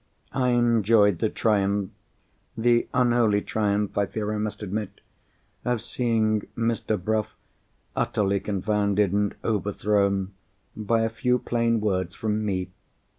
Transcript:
I enjoyed the triumph—the unholy triumph, I fear I must admit—of seeing Mr. Bruff utterly confounded and overthrown by a few plain words from Me.